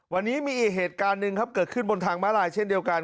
วันนี้มีอีกเหตุการณ์หนึ่งครับเกิดขึ้นบนทางม้าลายเช่นเดียวกัน